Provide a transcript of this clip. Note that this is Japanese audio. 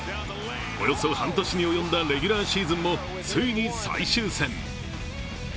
およそ半年に及んだレギュラーシーズンもついに最終戦。